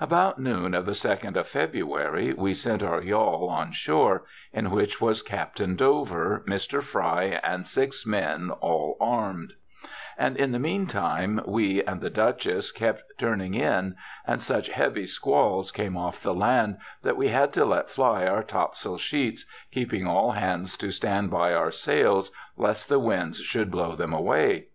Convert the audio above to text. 'About noon of the 2nd of February we sent our yawl on shore, in which was Captain Dover, Mr. Fry, and six men, all armed ; and in the meantime we and the Duchess kept turning in, and such" heavy squalls came off the land that we had to let fly our top sail sheets, keeping all hands to stand by our sails, lest the winds should blow them away.